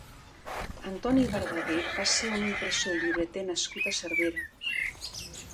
Antoni Berdeguer va ser un impressor i llibreter nascut a Cervera.